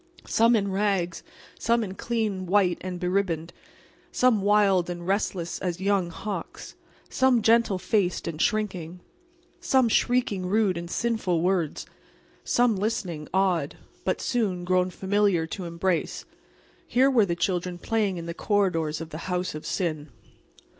Some in rags, some in clean white and beribboned, some wild and restless as young hawks, some gentle faced and shrinking, some shrieking rude and sinful words, some listening, awed, but soon, grown familiar, to embrace—here were the children playing in the corridors of the House of Sin.